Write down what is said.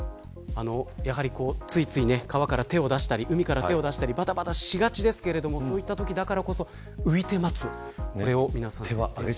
ついつい川から手を出したり海から手を出したりばたばたしがちですがそういったときだからこそ浮いて待つ。